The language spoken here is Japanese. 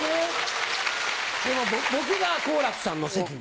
僕が好楽さんの席に。